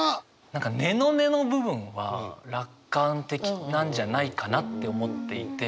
何か根の根の部分は楽観的なんじゃないかなって思っていて。